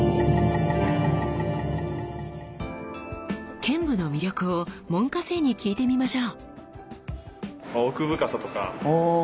剣舞の魅力を門下生に聞いてみましょう！